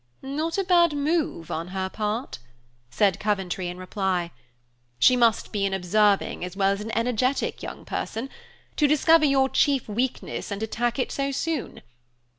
"Not a bad move on her part," said Coventry in reply. "She must be an observing as well as an energetic young person, to discover your chief weakness and attack it so soon.